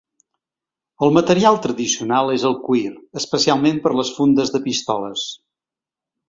El material tradicional és el cuir, especialment per les fundes de pistoles.